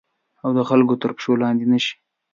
او د خلګو تر پښو لاندي نه شي